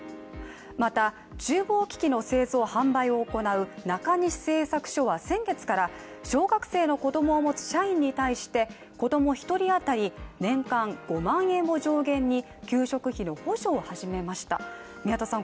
また、厨房機器の製造販売を行う中西製作所は先月から小学生の子供を持つ社員に対して、子供１人当たり年間５万円を上限に、給食費の補助を始めました宮田さん